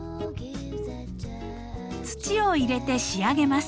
土を入れて仕上げます。